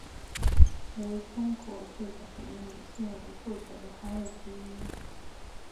为中国最早的以女性为诉求的刊物之一。